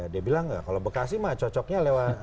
dia bilang kalau bekasi cocoknya